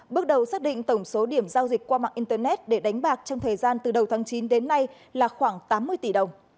bước đầu xác định tổng số điểm giao dịch qua mạng internet để đánh bạc trong thời gian từ đầu tháng chín đến nay là khoảng tám mươi tỷ đồng